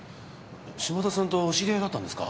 嶋田さんとお知り合いだったんですか？